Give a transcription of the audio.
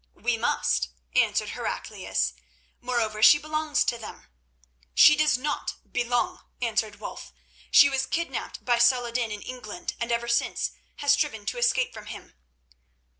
"We must," answered Heraclius. "Moreover, she belongs to them." "She does not belong," answered Wulf. "She was kidnapped by Saladin in England, and ever since has striven to escape from him."